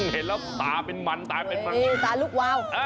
เห็นแล้วตาเป็นมันตาเป็นมันตาลูกวาว